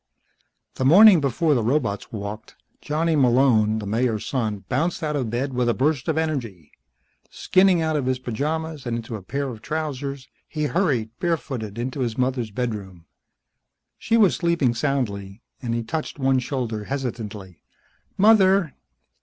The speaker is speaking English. The morning before the robots walked, Johnny Malone, the Mayor's son, bounced out of bed with a burst of energy. Skinning out of his pajamas and into a pair of trousers, he hurried, barefooted, into his mother's bedroom. She was sleeping soundly, and he touched one shoulder hesitantly. "Mother!"